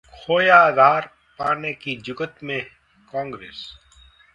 खोया आधार पाने की जुगत में कांग्रेस